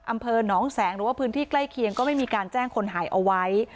อำเภอหนองแสงหรือว่าพื้นที่ใกล้เคียงก็ไม่มีการแจ้งคนหายเอาไว้